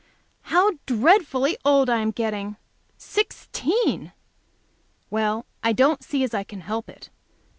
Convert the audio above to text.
How dreadfully old I am getting! Sixteen! Well, I don't see as I can help it.